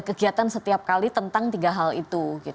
kegiatan setiap kali tentang tiga hal itu